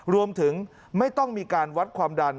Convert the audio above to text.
รวมถึงไม่ต้องมีการวัดความดัน